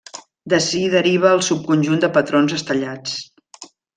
D'ací deriva el subconjunt de patrons estellats.